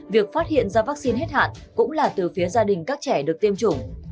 việc phát hiện ra vaccine hết hạn cũng là từ phía gia đình các trẻ được tiêm chủng